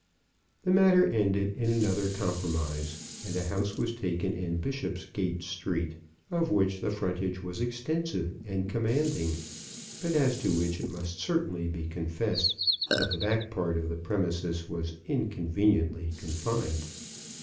The matter ended in another compromise, and a house was taken in Bishopsgate Street, of which the frontage was extensive and commanding, but as to which it must certainly be confessed that the back part of the premises was inconveniently confined.